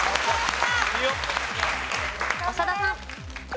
長田さん。